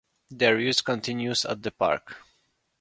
Their use continues at the Park.